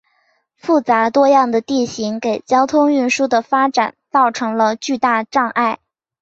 复杂多样的地形给交通运输的发展造成了巨大阻碍。